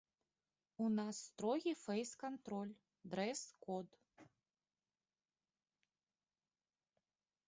У нас строгі фэйс-кантроль, дрэс-код.